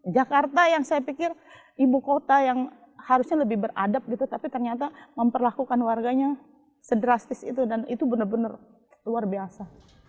jakarta yang saya pikir ibu kota yang harusnya lebih beradab gitu tapi ternyata memperlakukan warganya sedrastis itu dan itu benar benar luar biasa